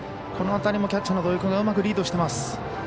この辺りもキャッチャーの土肥君がうまくリードしています。